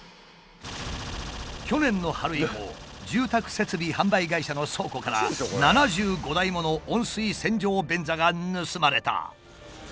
去年の春以降住宅設備販売会社の倉庫から７５台もの温水洗浄便座が盗まれた。